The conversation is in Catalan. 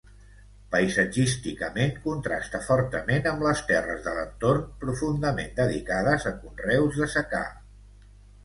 Paisatgísticament, contrasta fortament amb les terres de l’entorn, profundament dedicades a conreus de secà.